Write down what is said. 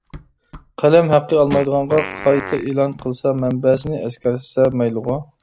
قەلەم ھەققى ئالمايدىغانغا قايتا ئېلان قىلسا، مەنبەسىنى ئەسكەرتسە مەيلىغۇ.